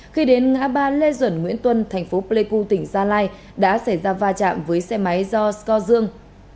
khi đến ngã ba lê duẩn nguyễn tuân thành phố pleiku tỉnh gia lai đã xảy ra va chạm với xe máy do score